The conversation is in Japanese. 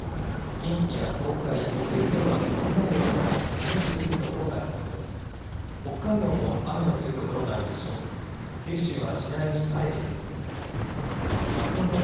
近畿や東海、北陸では雷を伴い激しく降る所がありそうです。